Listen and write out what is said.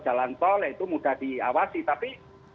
jalan tol itu mudah diawasi tapi